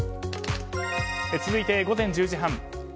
続いて午前１０時半。